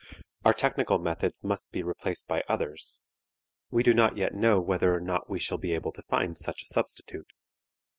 Our technical methods must be replaced by others; we do not yet know whether or not we shall be able to find such a substitute.